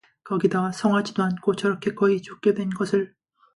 거기다가 성하지도 않고 저렇게 거의 죽게 된 것을.